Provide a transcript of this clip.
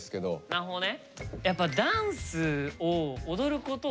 なるほどね。